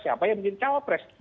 siapa yang menjadi cawapres